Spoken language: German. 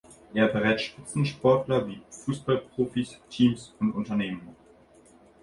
Er berät Spitzensportler wie Fußballprofis, Teams und Unternehmen.